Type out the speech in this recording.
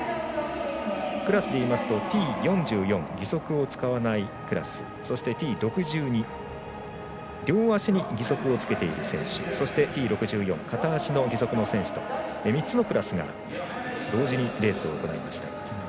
クラスでいいますとＴ４４義足を使わないクラスそしてＴ６２両足に義足をつけている選手そして、Ｔ６４片足の義足の選手と３つのクラスが同時にレースを行いました。